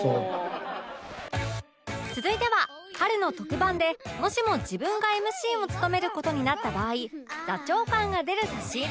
続いては春の特番でもしも自分が ＭＣ を務める事になった場合座長感が出る差し入れ